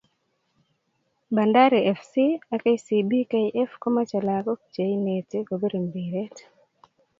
Bandari fc ak Kcb kf komache lakok che inete ko pir mpire